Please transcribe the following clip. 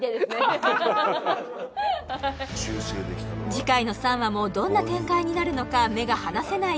次回の３話もどんな展開になるのか目が離せない